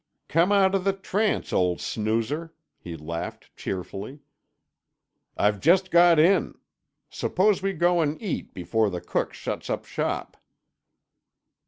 "Come out of the trance, old snoozer," he laughed cheerfully. "I've just got in. Suppose we go and eat before the cook shuts up shop."